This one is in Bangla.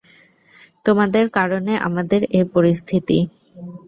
তোমাদের কারণে আমাদের এ পরিস্থিতি।